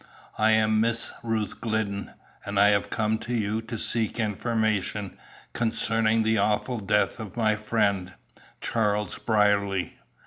"I am Miss Ruth Glidden, and I have come to you to seek information concerning the awful death of my friend, Charles Brierly.